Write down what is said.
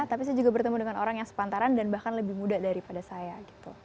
tapi saya juga bertemu dengan orang yang sepantaran dan bahkan lebih muda daripada saya gitu